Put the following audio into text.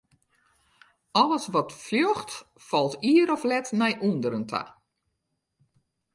Alles wat fljocht, falt ier of let nei ûnderen ta.